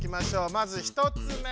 まず１つ目。